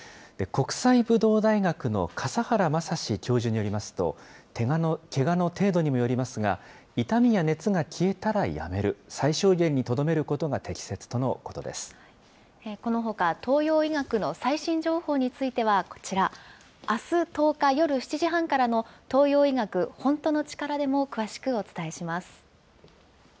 国際ぶどう大学のかさはらまさし教授によりますと、けがの程度にもよりますが、痛みや熱が消えたらやめる、最小限にとどめることが適切とのことこのほか、東洋医学の最新情報についてはこちら、あす１０日夜７時半からの東洋医学ホントのチカラでも詳しくお伝えします。